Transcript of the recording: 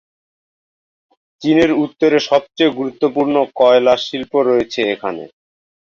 চীনের উত্তরে সবচেয়ে গুরুত্বপূর্ণ কয়লা শিল্প রয়েছে এখানে।